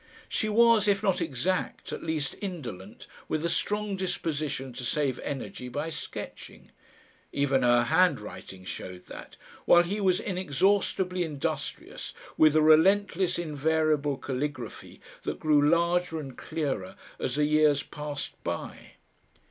She was, if not exact, at least indolent, with a strong disposition to save energy by sketching even her handwriting showed that while he was inexhaustibly industrious with a relentless invariable calligraphy that grew larger and clearer as the years passed by.